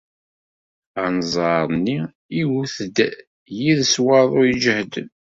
Anẓar-nni iwet-d yid-s waḍu ijehden.